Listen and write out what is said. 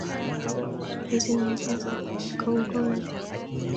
Hizo ni njia za kuepuka ugomvi